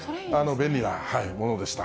便利なものでした。